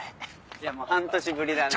いや半年ぶりだね。